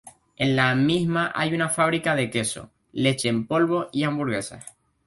En la misma hay una fábrica de queso, leche en polvo y hamburguesas.